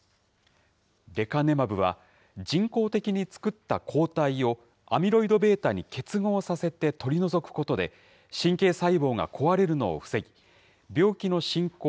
レカネマブは人工的に作った抗体をアミロイドβに結合させて取り除くことで神経細胞が壊れるのを防ぎ、病気の進行